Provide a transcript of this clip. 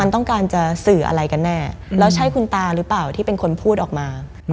ต้องการจะสื่ออะไรกันแน่แล้วใช่คุณตาหรือเปล่าที่เป็นคนพูดออกมา